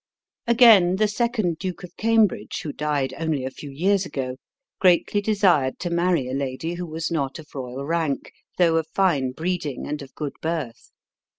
Again, the second Duke of Cambridge, who died only a few years ago, greatly desired to marry a lady who was not of royal rank, though of fine breeding and of good birth.